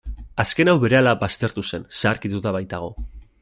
Azken hau berehala baztertu zen, zaharkituta baitago.